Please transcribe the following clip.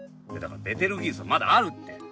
だからベテルギウスはまだあるって。